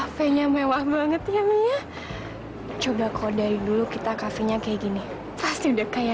hpnya mewah banget coba gua karena dulu kita kasihnya kayak gini pasti udah kayak raya has